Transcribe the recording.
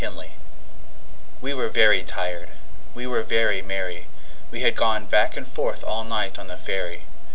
Recuerdo WE WERE very tired, we were very merry We had gone back and forth all night on the ferry.